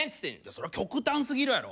そりゃ極端すぎるやろ。